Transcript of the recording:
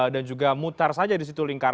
dan juga mutar saja di situ lingkarannya